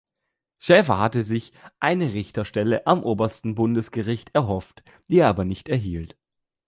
Shafer hatte sich eine Richterstelle am Obersten Bundesgericht erhofft, die er aber nicht erhielt.